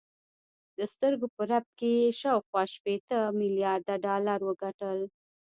د سترګو په رپ کې یې شاوخوا شپېته میلارده ډالر وګټل